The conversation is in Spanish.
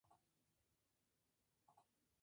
Los "azules" consiguieron su tercera liguilla.